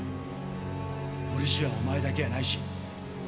彫師はお前だけやないし。